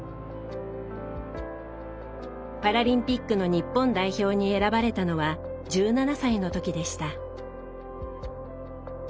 パラリンピックの日本代表に選ばれたのは１７歳の時でした。